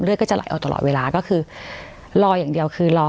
ก็จะไหลออกตลอดเวลาก็คือรออย่างเดียวคือรอ